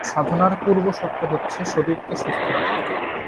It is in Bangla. সাধনার পূর্বশর্ত হচ্ছে শরীরকে সুস্থ রাখা।